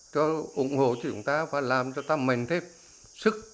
cho ủng hộ cho chúng ta và làm cho ta mạnh thêm sức